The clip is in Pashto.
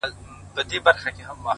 خاموش کار تر لوړ غږ قوي وي.!